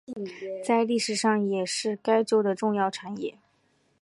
在历史上也是该州的重要产业。